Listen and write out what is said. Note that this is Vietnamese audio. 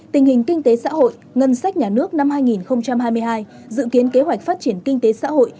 tình hình kinh tế xã hội ngân sách nhà nước năm hai nghìn hai mươi hai dự kiến kế hoạch phát triển kinh tế xã hội